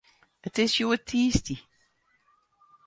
It is hjoed tiisdei.